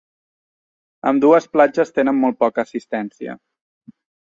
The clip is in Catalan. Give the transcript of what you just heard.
Ambdues platges tenen molt poca assistència.